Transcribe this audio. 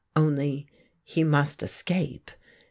Only, he must escape.